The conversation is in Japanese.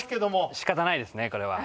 しかたないですねこれは。